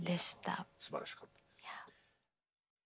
すばらしかったです。